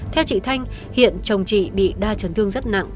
theo chị thanh hiện chồng chị bị đa chấn thương rất nặng